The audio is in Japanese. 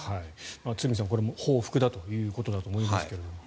堤さんこれも報復だということだと思いますけども。